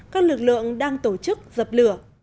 các lực lượng đang tổ chức dập lửa